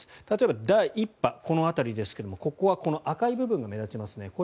例えば第１波この辺りですがここはこの赤い部分が目立ちますね。